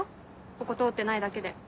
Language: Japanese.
ここ通ってないだけで。